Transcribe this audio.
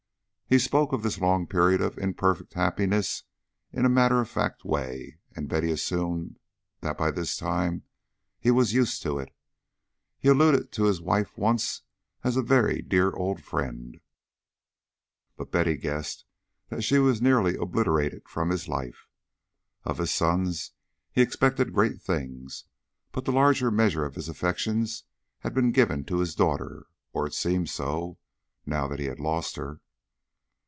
He spoke of this long period of imperfect happiness in a matter of fact way, and Betty assumed that by this time he was used to it. He alluded to his wife once as "a very dear old friend," but Betty guessed that she was nearly obliterated from his life. Of his sons he expected great things, but the larger measure of his affections had been given to his daughter, or it seemed so, now that he had lost her.